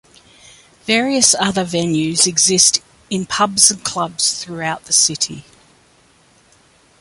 Various other venues exist in pubs and clubs throughout the city.